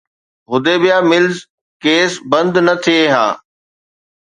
Hudaibiya mills case بند نه ٿئي ها.